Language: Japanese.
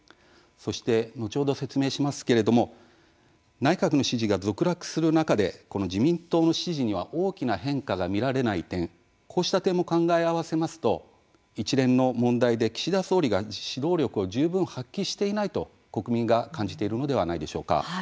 そして後程、説明しますけれども内閣の支持が続落する中で自民党の支持には大きな変化が見られない点こうした点も考え合わせますと一連の問題で岸田総理が指導力を十分発揮していないと、国民が感じているのではないでしょうか。